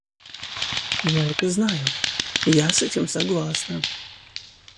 Я это знаю, я с этим согласна.